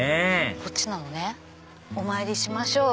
こっちなのねお参りしましょう。